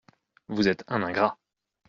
Vous êtes un ingrat…